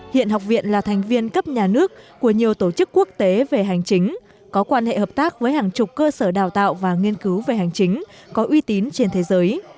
hiện học viện là thành viên cấp nhà nước của nhiều tổ chức quốc tế về hành chính có quan hệ hợp tác với hàng chục cơ sở đào tạo và nghiên cứu về hành chính có uy tín trên thế giới